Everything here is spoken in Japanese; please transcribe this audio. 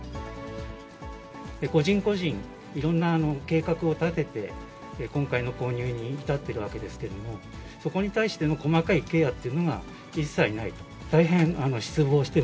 個人個人、いろんな計画を立てて、今回の購入に至ってるわけですけれども、そこに対しての細かいケアっていうのが、一切ないと。